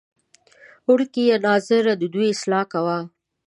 وړکیه ناظره ددوی اصلاح کوه.